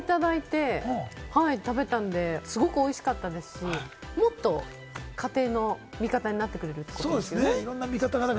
ことしの夏をナスをいっぱい頂いて、食べたんで、すごく美味しかったですし、もっと家庭の味方になってくれるということですよね。